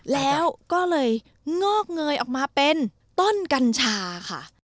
แล้วก็เลยงอกเงยออกมาเป็นต้นกัญชาค่ะ